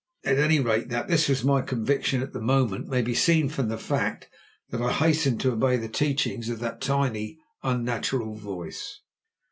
At any rate, that this was my conviction at the moment may be seen from the fact that I hastened to obey the teachings of that tiny, unnatural voice.